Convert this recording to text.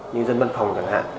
như dân văn phòng chẳng hạn